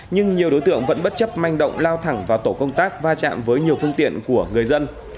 nhưng nhiều đối tượng vẫn bất chấp manh động lao thẳng vào tổ công tác va chạm với nhiều phương tiện của người dân